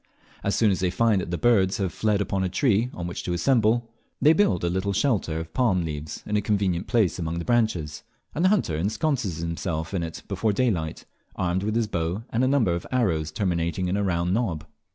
As soon as they find that the birds have fled upon a tree on which to assemble, they build a little shelter of palm leaves in a convenient place among the branches, and the hunter ensconces himself in it before daylight, armed with his bow and a number of arrows terminating in a round knob.